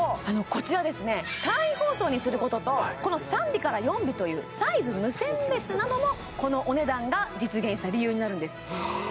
こちらですね簡易包装にすることとこの３尾から４尾というサイズ無選別なのもこのお値段が実現した理由になるんです